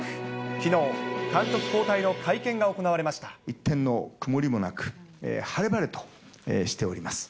きのう、監督交代の会見が行われ一点の曇りもなく、晴れ晴れとしております。